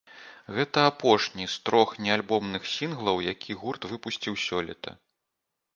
Гэта апошні з трох неальбомных сінглаў, якія гурт выпусціў сёлета.